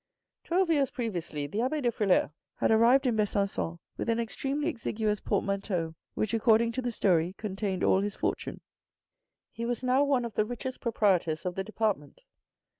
Twelve years previously the abbe de Frilair had arrived in Besanc_on with an extremely exiguous portmanteau, which, according to the story, contained all his fortune. He was now one of the richest proprietors of the department.